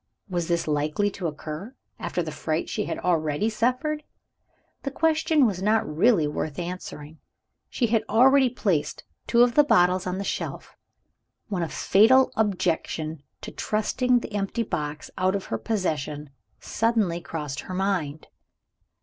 Was this likely to occur, after the fright she had already suffered? The question was not really worth answering. She had already placed two of the bottles on the shelf when a fatal objection to trusting the empty box out of her own possession suddenly crossed her mind.